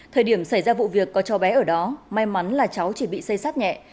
thời điểm xảy ra vụ việc có cho bé ở đó may mắn là cháu chỉ bị xây sát nhẹ